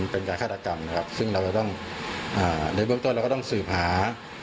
เป็นการฆาตกรรมนะครับซึ่งเราจะต้องในเบื้องต้นเราก็ต้องสืบหา